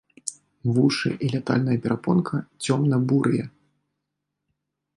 Вушы і лятальная перапонка цёмна-бурыя.